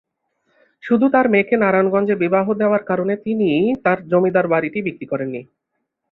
শুধু তার মেয়েকে নারায়ণগঞ্জে বিবাহ দেওয়ার কারণে তিনি তার জমিদার বাড়িটি বিক্রি করেননি।